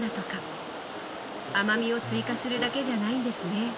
甘みを追加するだけじゃないんですね。